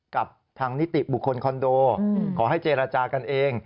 กับทางนิติบุคคลคอนโดขอให้เจรจากันเอง